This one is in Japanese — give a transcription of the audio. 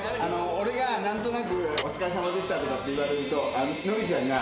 俺が何となく「お疲れさまでした」とかって言われると。